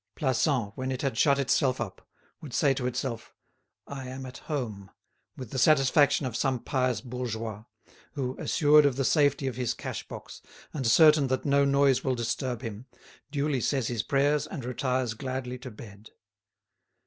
Plassans, when it had shut itself up, would say to itself, "I am at home," with the satisfaction of some pious bourgeois, who, assured of the safety of his cash box, and certain that no noise will disturb him, duly says his prayers and retires gladly to bed.